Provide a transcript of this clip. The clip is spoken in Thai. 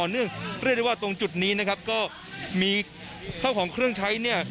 เนื่องเรียกได้ว่าตรงจุดนี้นะครับก็มีข้าวของเครื่องใช้เนี่ย